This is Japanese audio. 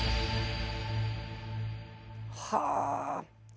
はあ。